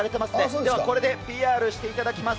ではこれでＰＲしていただきます。